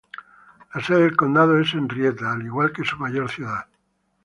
La sede del condado es Henrietta, al igual que su mayor ciudad.